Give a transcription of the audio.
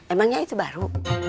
emangnya itu baru